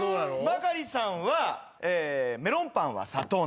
バカリさんはメロンパンは砂糖の味。